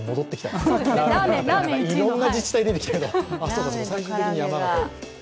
いろんな自治体出てきたけど、最終的に山形だ。